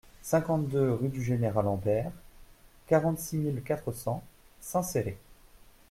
cinquante-deux rue du Général Ambert, quarante-six mille quatre cents Saint-Céré